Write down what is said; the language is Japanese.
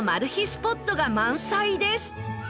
スポットが満載です。